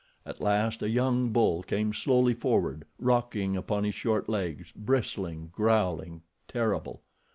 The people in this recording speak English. At last a young bull came slowly forward rocking upon his short legs, bristling, growling, terrible.